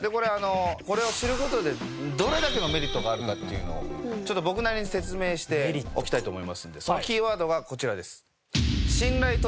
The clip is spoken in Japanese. これを知る事でどれだけのメリットがあるかっていうのをちょっと僕なりに説明しておきたいと思いますのでそのキーワードがこちらです。